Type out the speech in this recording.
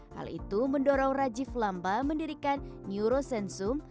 hal itu mendorong rajiv lamba mendirikan neurosensum